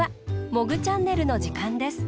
「モグチャンネル」のじかんです。